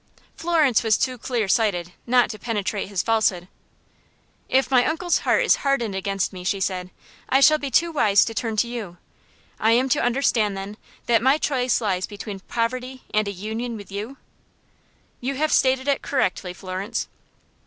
Florence was too clear sighted not to penetrate his falsehood. "If my uncle's heart is hardened against me," she said, "I shall be too wise to turn to you. I am to understand, then, that my choice lies between poverty and a union with you?" "You have stated it correctly, Florence."